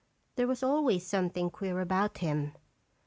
There was always something queer about him.